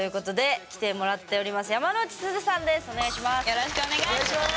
よろしくお願いします！